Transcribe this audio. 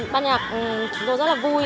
ban nhạc tôi rất là vui